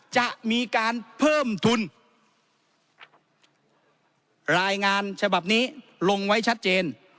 จะมีการเพิ่มทุนรายงานฉบับนี้ลงไว้ชัดเจน